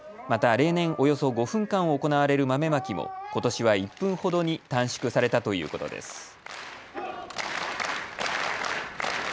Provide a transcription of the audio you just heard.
また例年およそ５分間行われる豆まきもことしは１分ほどに短縮されたということです。